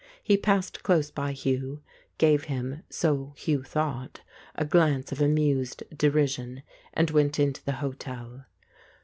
He passed close by Hugh, gave him (so Hugh thought) a glance of amused deri sion, and went into the hotel.